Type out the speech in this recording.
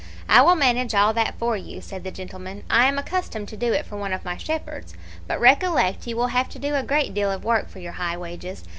"'I will manage all that for you,' said the gentleman. 'I am accustomed to do it for one of my shepherds. But recollect you will have to do a great deal of work for your high wages.